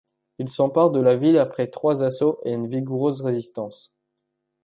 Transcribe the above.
Il s'empare de la ville après trois assauts et une vigoureuse résistance.